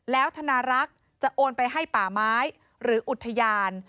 แล้วธนารักษ์จะโอนไปให้ป่าไม้หรืออุทยาน